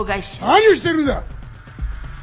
何をしてるんだ！